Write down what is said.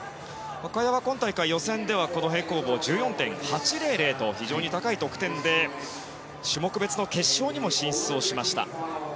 萱は今大会、予選では平行棒、１４．８００と非常に高い得点で種目別の決勝にも進出をしました。